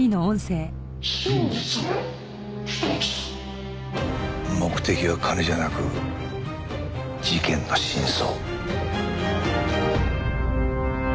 「真実は一つ」目的は金じゃなく事件の真相。